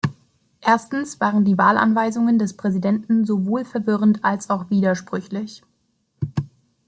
Erstens waren die Wahlanweisungen des Präsidenten sowohl verwirrend als auch widersprüchlich.